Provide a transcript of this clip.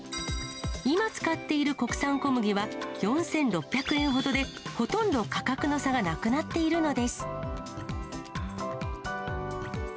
今使っている国産小麦は４６００円ほどで、ほとんど価格の差がなくなっているのです。